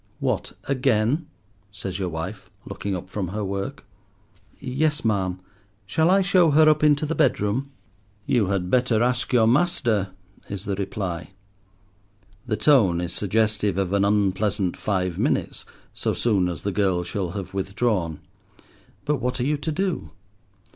"What, again!" says your wife, looking up from her work. "Yes, ma'am; shall I show her up into the bedroom?" "You had better ask your master," is the reply. The tone is suggestive of an unpleasant five minutes so soon as the girl shall have withdrawn, but what are you to do?